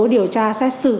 điều tra xét xử